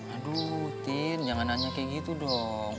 aduh tin jangan hanya kayak gitu dong